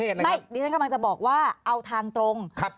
ประเทศนะครับไม่ดิฉันกำลังจะบอกว่าเอาทางตรงครับ